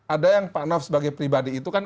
ada yang pak nof sebagai pribadi itu kan